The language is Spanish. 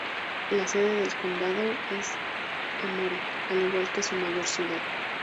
La sede del condado es Emory, al igual que su mayor ciudad.